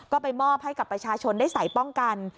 ก็ไปมอบให้กับประชาชนได้ใส่ป้องกัน